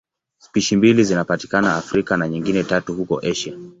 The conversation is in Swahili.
Spishi mbili zinapatikana Afrika na nyingine tatu huko Asia.